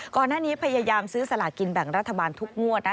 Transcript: พยายามซื้อสลากินแบ่งรัฐบาลทุกงวดนะ